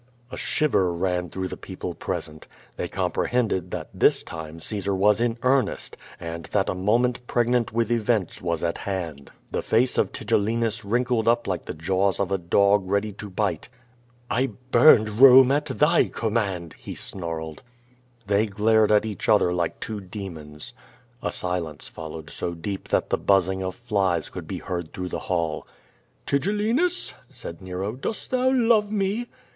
A shiver ran through the people present. They compre hended that this time Caesar was in earnest and that a mo ment pregnant with events was at hand. The face of Tigellinus wrinkled up like the jaws of a dog ready to bite. ^ burned Borne at thy command!" he snarled. "( V, 355 QUO VADIS, They glared at each other like two demons. A silence followed so deep that the buzzing of flies could be heard lli rough the hall. "Tigellinus!" said Nero, "dost thou love me?"